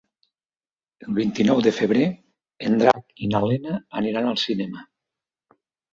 El vint-i-nou de febrer en Drac i na Lena aniran al cinema.